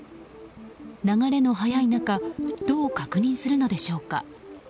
流れの速い中どう確認するのでしょうか。